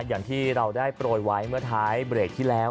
อย่างที่เราได้โปรยไว้เมื่อท้ายเบรกที่แล้ว